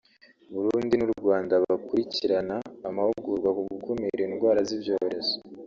Burundi n’u Rwanda bakurikirana amahugurwa ku gukumira indwara z’ibyorezo